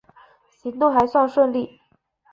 行动还算顺利